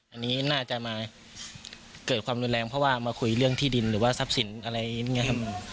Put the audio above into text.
อันนี้น่าจะมาเกิดความรุนแรงเพราะว่ามาคุยเรื่องที่ดินหรือว่าทรัพย์สินอะไรอย่างนี้ครับ